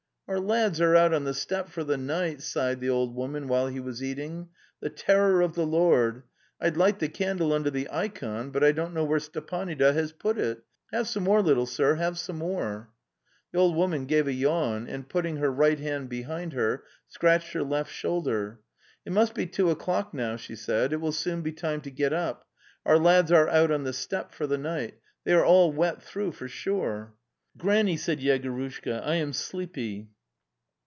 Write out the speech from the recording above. "Our lads are out on the steppe for the night, .." sighed the old woman while he was eating. iN " The terror of the Lord! I'd light the candle under the ikon, but I don't know where Stepanida has put it. Have some more, little sir, have some more. ..." The old woman gave a yawn and, putting her right hand behind her, scratched her left shoulder. "Tt must be two o'clock now," she said; '' it will soon be time to get up. Our lads are out on the steppe for the night; they are all wet through for SUPE Ve Ne "Granny," said Yegorushka. ''I am sleepy."